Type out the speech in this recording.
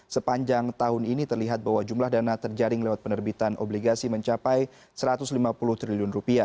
sepanjang tahun ini terlihat bahwa jumlah dana terjaring lewat penerbitan obligasi mencapai rp satu ratus lima puluh triliun